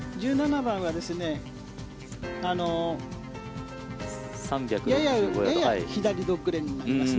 １７番はやや左ドッグレッグになります。